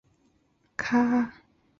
迦太基政府被迫重新起用哈米尔卡。